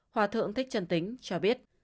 hòa thượng thích trân tính cho biết